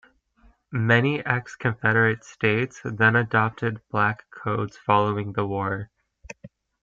Many ex-Confederate states then adopted Black Codes following the war.